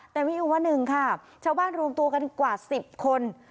แต่มีอยู่วันหนึ่งค่ะชาวบ้านรวมตัวกันกว่า๑๐คน